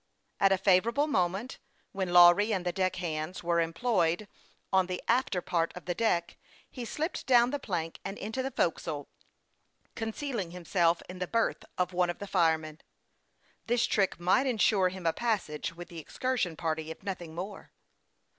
At a favorable moment, when Lawry and the deck hands were employed on the after part of the deck, he slipped down the plank and into the forecastle, concealing himself in the berth of one of the fire men. This trick might insure him a passage with the excursion party, if nothing more.